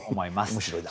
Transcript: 面白いな。